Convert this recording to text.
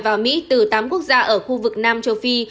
vào mỹ từ tám quốc gia ở khu vực nam châu phi